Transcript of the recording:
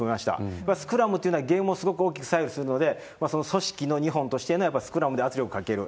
やはりスクラムというのはゲームをすごく大きく左右するので、組織の日本としてのやっぱりスクラムで圧力をかける。